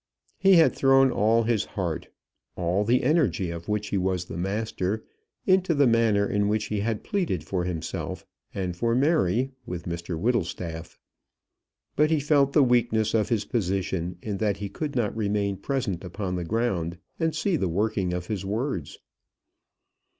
He had thrown all his heart, all the energy of which he was the master, into the manner in which he had pleaded for himself and for Mary with Mr Whittlestaff. But he felt the weakness of his position in that he could not remain present upon the ground and see the working of his words.